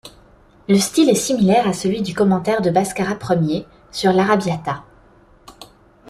Le style est similaire à celui du commentaire de Bhāskara I sur l'Aryabhata.